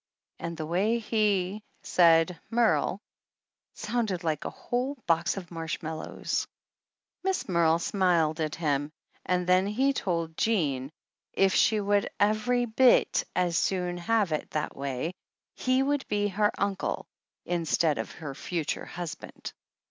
And the way he said "Merle" sounded like a whole box of marshmallows. Miss Merle smiled at him and then he told 177 THE ANNALS OF ANN Jean if she would every bit as soon have it that way, he would be her uncle instead of her future husband.